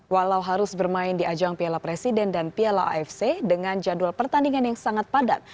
walau harus bermain di ajang piala presiden dan piala afc dengan jadwal pertandingan yang sangat padat